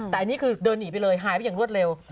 แต่อันนี้คือเดินหนีไปเลยหายไปอย่างรวดเร็ว